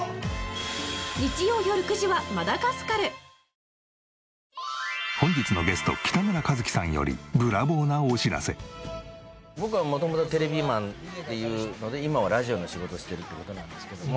最高の渇きにＤＲＹ本日のゲスト北村一輝さんより僕は元々テレビマンっていうので今はラジオの仕事をしてるって事なんですけども。